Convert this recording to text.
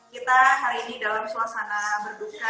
kita hari ini dalam